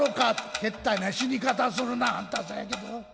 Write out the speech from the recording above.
「けったいな死に方するなあんたそやけど。